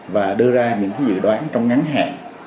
và đưa ra những dự đoán trong ngắn hẹn